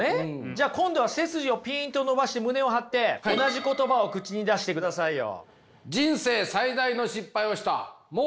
じゃあ今度は背筋をピンと伸ばして胸を張って同じ言葉を口に出してくださいよ。